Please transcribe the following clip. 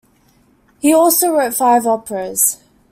He also wrote five operas.